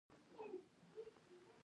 د خوش مزاجۍ په وجه ورته چا بابا نه ویل.